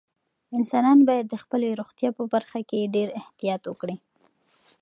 انسانان باید د خپلې روغتیا په برخه کې ډېر احتیاط وکړي.